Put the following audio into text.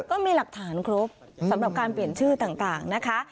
ก็มีหลักฐานครบสำหรับการเปลี่ยนชื่อต่างนะคะ